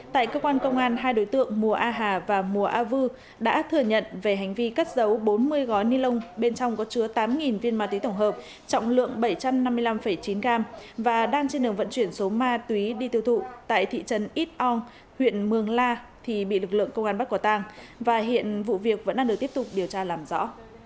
tại cơ quan công an hai đối tượng mùa a hà và mùa a vư đã thừa nhận về hành vi cắt giấu bốn mươi gói ni lông bên trong có chứa tám viên ma túy tổng hợp trọng lượng bảy trăm năm mươi năm chín gram và đang trên đường vận chuyển số ma túy đi tiêu thụ tại thị trấn ít ong huyện mường la thì bị lực lượng công an bắt quả tang và hiện vụ việc vẫn đang được tiếp tục điều tra làm rõ